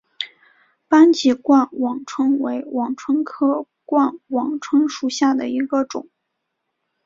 斑脊冠网蝽为网蝽科冠网蝽属下的一个种。